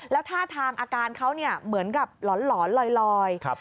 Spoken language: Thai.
แล้วท่าทางอาการเขาเหมือนกับหลอนลอย